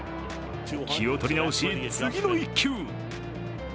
気を取り直し、次の一球。